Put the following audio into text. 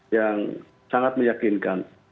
yang sangat meyakinkan